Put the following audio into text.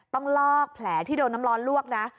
ต้องลอกแผลที่โดนน้ำร้อนลวกนะ